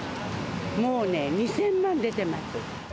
もうね、２０００万出てます。